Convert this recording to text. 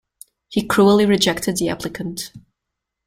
He cruelly rejected the applicant.